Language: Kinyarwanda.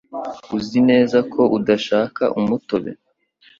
Uzi neza ko udashaka umutobe